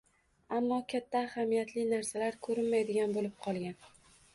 ammo katta, ahamiyatli narsalar ko‘rinmaydigan bo‘lib qolgan.